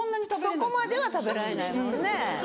そこまでは食べられないもんね。